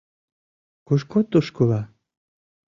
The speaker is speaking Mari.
— Кушко тушкыла?